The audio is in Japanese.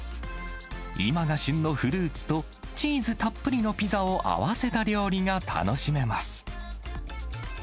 今が旬のフルーツと、チーズたっぷりのピザを合わせた料理が楽しめます。